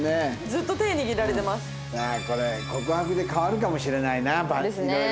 これ告白で変わるかもしれないな色々。